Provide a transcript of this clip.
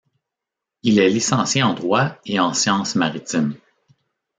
Il est licencié en droit et en sciences maritimes.